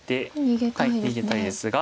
逃げたいですが。